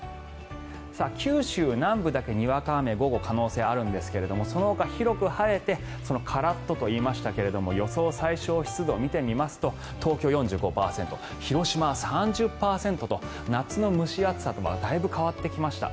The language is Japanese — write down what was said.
九州南部だけ、にわか雨午後、可能性があるんですがそのほか、広く晴れてカラッとと言いましたが予想最小湿度を見てみますと東京４５％広島は３０％と夏の蒸し暑さとはだいぶ変わってきました。